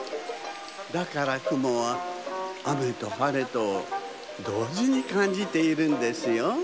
だからくもはあめとはれとをどうじにかんじているんですよ。